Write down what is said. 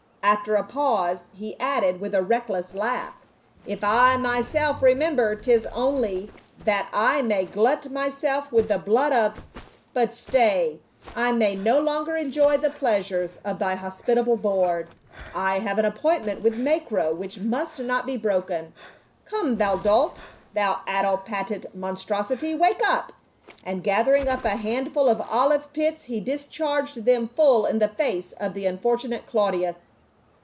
* After a pause he added, with a reckless laugh, " If I myself remem ber, 'tis only that I may glut myself with the blood of — But stay, I may no longer enjoy the pleasures of thy hospitable board. I have an appointment with Macro which must not be broken. Come, thou dolt, thou addle pated monstrosity, wake up!" and gather ing up a handful of olive pits he discharged them full in the face of the unfortunate Claudius.